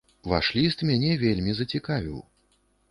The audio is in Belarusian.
Ваш ліст мяне вельмі зацікавіў.